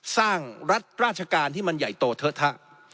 สร้างรัฐราชการที่มันใหญ่โตเทอะทะ